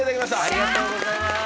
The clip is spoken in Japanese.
ありがとうございます。